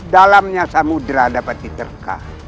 dalamnya samudera dapat diterkah